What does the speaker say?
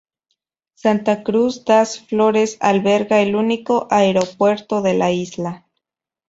Santa Cruz das Flores alberga el único aeropuerto de la isla.